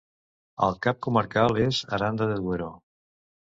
El cap comarcal és Aranda de Duero.